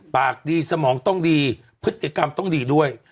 ปากดีสมองต้องดีพฤติกรรมต้องดีด้วย